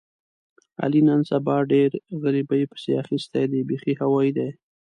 علي نن سبا ډېر غریبۍ پسې اخیستی دی بیخي هوایي دی.